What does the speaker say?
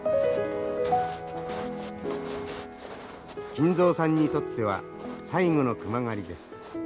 金蔵さんにとっては最後の熊狩りです。